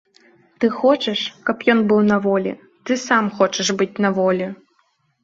Ты хочаш, каб ён быў на волі, ты сам хочаш быць на волі.